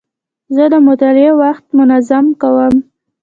زه د مطالعې وخت منظم کوم.